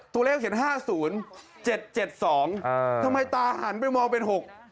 ตัวเลขเห็น๕๐๗๗๒ทำไมตาหันไปมองเป็น๖